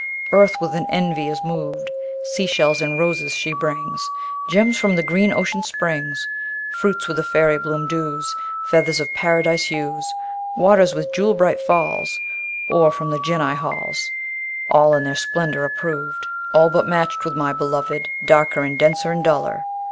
Earth with an envy is moved: Sea shells and roses she brings, Gems from the green ocean springs, Fruits with the fairy bloom dews, Feathers of Paradise hues, Waters with jewel bright falls, Ore from the Genii halls: All in their splendour approved; All; but, match'd with my beloved, Darker, and denser, and duller.